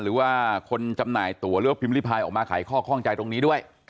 หรือว่าคนจำหน่ายตัวหรือว่าพิมพ์ริพายออกมาไขข้อข้องใจตรงนี้ด้วย